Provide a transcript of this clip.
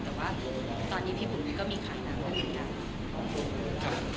แต่ว่าตอนนี้พี่ฝุ่นก็มีขายน้ำด้วยนะครับ